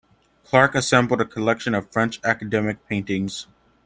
Clark assembled a collection of French academic paintings.